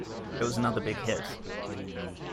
It was another big hit.